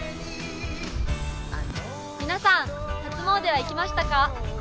皆さん、初詣は行きましたか？